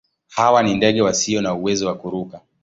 Hawa ni ndege wasio na uwezo wa kuruka.